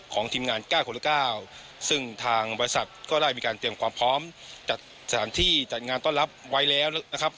ทีมงาน๙คนละ๙ซึ่งทางบริษัทก็ได้มีการเตรียมความพร้อมจัดสถานที่จัดงานต้อนรับไว้แล้วนะครับ